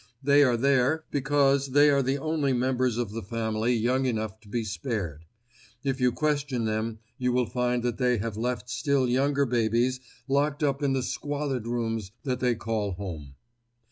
They are there because they are the only members of the family young enough to be spared. If you question them, you will find that they have left still younger babies locked up in the squalid rooms that they call home.